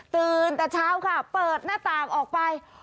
ตื่นแต่เช้าค่ะเปิดหน้าต่างออกไป